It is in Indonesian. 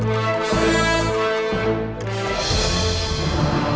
kita hubungi para minister itu